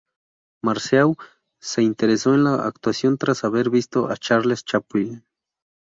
Marceau se interesó en la actuación tras haber visto a Charles Chaplin.